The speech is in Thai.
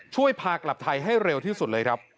พากลับไทยให้เร็วที่สุดเลยครับ